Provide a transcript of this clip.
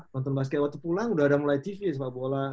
nonton basket waktu pulang udah ada mulai tv sepak bola